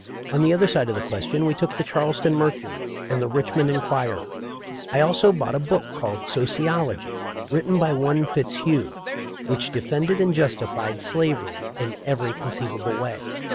On the other side of the question we took the Charleston Mercury and the Richmond Enquirer. I also bought a book called "Sociology," written by one Fitzhugh, which defended and justified slavery in every conceivable way.